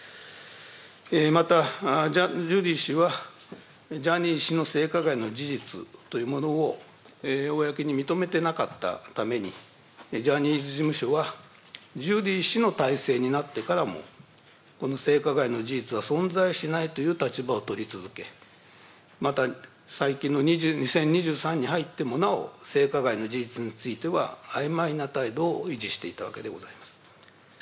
また、ジュリー氏は、ジャニー氏の性加害の事実というものを公に認めてなかったために、ジャニーズ事務所はジュリー氏の体制になってからも、この性加害の事実は存在しないという立場を取り続け、また最近の２０２３年に入ってもなお、性加害の事実についてはあいまいな態度を維持していたわけでございます。